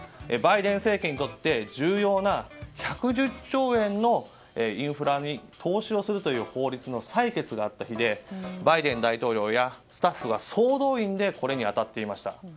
バイデン政権にとって重要な１１０兆円をインフラに投資をするという方針の採決があった日でバイデン大統領やスタッフが総動員でこれに当たっていました。